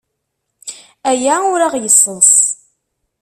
Aya ur aɣ-yesseḍs.